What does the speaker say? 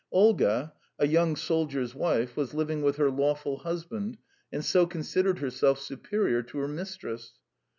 Olga, a young soldier's wife, was living with her lawful husband, and so considered herself superior to her mistress.